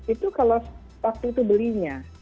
itu kalau waktu itu belinya